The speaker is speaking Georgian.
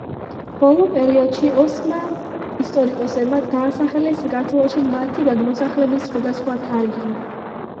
ბოლო პერიოდში ოსმა ისტორიკოსებმა დაასახელეს საქართველოში მათი გადმოსახლების სხვადასხვა თარიღი.